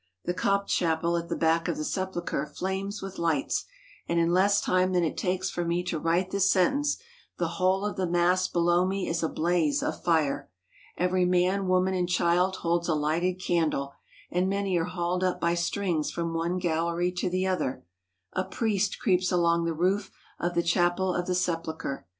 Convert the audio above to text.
The Copt chapel at the back of the Sepulchre flames with lights, and in less time than it takes for me to write this sentence, the whole of the mass below me is a blaze of fire. Every man, woman, and child holds a lighted candle, and many are hauled up by strings from one gallery to the other. A priest creeps along the roof of the chapel of the Sepulchre.